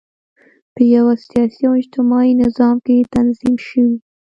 په یوه سیاسي او اجتماعي نظام کې تنظیم شوي.